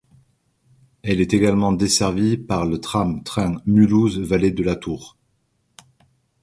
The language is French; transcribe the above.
Elle est également desservie par le Tram-train Mulhouse-Vallée de la Thur.